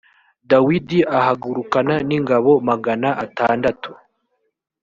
dawidi ahagurukana n ingabo magana atandatu